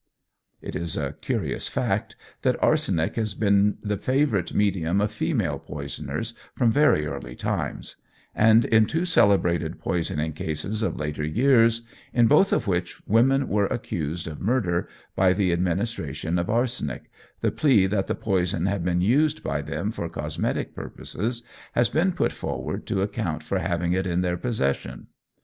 It is a curious fact that arsenic has been the favourite medium of female poisoners from very early times; and in two celebrated poisoning cases of later years, in both of which women were accused of murder by the administration of arsenic, the plea that the poison had been used by them for cosmetic purposes has been put forward to account for having it in their possession.